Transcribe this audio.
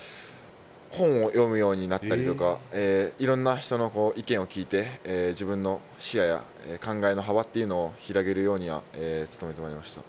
本を読むようになったりとか、いろんな人の意見を聞いて、自分の視野や考えの幅っていうのを広げるようには努めてきました。